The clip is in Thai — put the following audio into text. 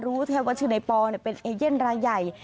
รู้แทบว่าชื่อในปเป็นเอเย่นรายใหญ่